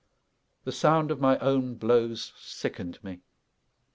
The sound of my own blows sickened me.